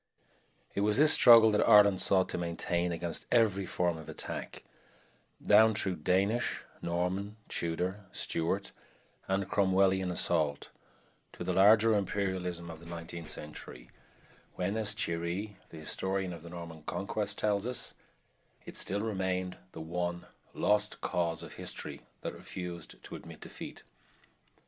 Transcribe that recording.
It was this struggle that Ireland sought to maintain against every form of attack, down through Danish, Norman, Tudor, Stuart, and Cromwellian assault, to the larger imperialism of the nineteenth century, when, as Thierry, the historian of the Norman Conquest, tells us, it still remained the one "lost cause" of history that refused to admit defeat.